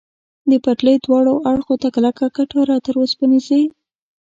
د پټلۍ دواړو اړخو ته کلکه کټاره، تر اوسپنیزې.